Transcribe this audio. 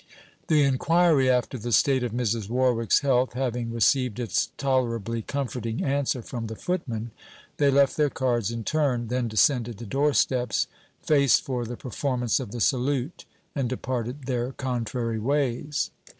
The inquiry after the state of Mrs. Warwick's health having received its tolerably comforting answer from the footman, they left their cards in turn, then descended the doorsteps, faced for the performance of the salute, and departed their contrary ways.